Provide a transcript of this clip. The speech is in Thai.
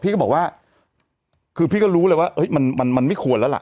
ก็บอกว่าคือพี่ก็รู้เลยว่ามันไม่ควรแล้วล่ะ